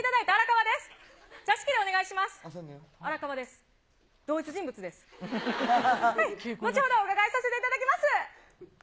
はい、後ほどお伺いさせていただきます。